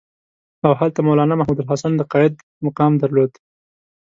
او هلته مولنا محمودالحسن د قاید مقام درلود.